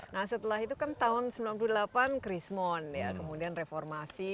nah setelah itu kan tahun sembilan puluh delapan krismon ya kemudian reformasi